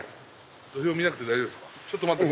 土俵見なくて大丈夫ですか？